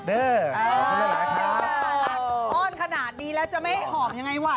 เพราะว่าใจแอบในเจ้า